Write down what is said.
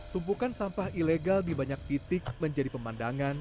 tumpukan sampah ilegal di banyak titik menjadi pemandangan